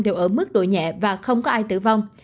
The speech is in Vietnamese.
đều ở mức độ nhẹ và không có ai tử vong